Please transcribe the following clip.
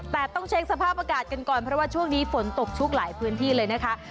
แต่ต้องเช็คสภาพอากาศกันก่อนเพราะว่าช่วงนี้ฝนตกชุกหลายพื้นที่เลยนะคะ